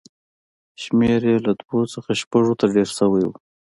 شمېر یې له دوو څخه شپږو ته ډېر شوی و